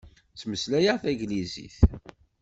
Ttmeslayeɣ taglizit.